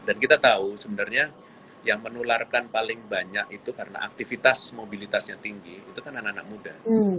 dan kita tahu sebenarnya yang menularkan paling banyak itu karena aktivitas mobilitasnya tinggi itu kan anak anak muda